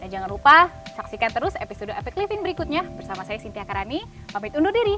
dan jangan lupa saksikan terus episode epic living berikutnya bersama saya sintiakarani